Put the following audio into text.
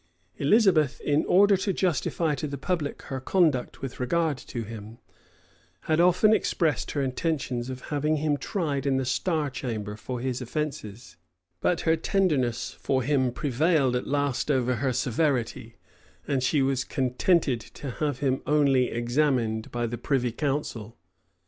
Elizabeth, in order to justify to the public her conduct with regard to him, had often expressed her intentions of having him tried in the star chamber for his offences: but her tenderness for him prevailed at last over her severity; and she was contented to have him only examined by the privy council.